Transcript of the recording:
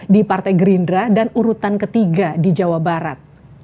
di partai gerindra dan urutan ketiga di jawa barat